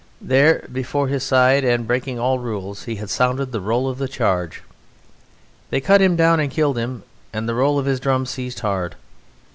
There, "before his side," and breaking all rules, he had sounded the roll of the charge. They cut him down and killed him, and the roll of his drum ceased hard.